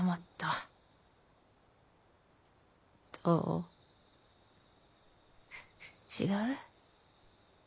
どう違う？